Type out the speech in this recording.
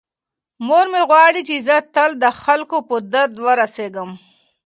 مور مې غواړي چې زه تل د خلکو په درد ورسیږم.